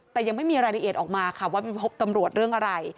แต่ยังไม่มีรายละเอียดออกมาค่ะว่าไปพบตำรวจเรื่องอะไร